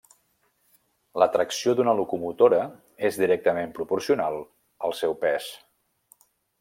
La tracció d'una locomotora és directament proporcional al seu pes.